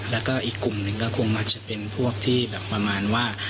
แล้วก็อีกกลุ่มหนึ่งก็คงอาจจะเป็นพวกที่แบบประมาณว่า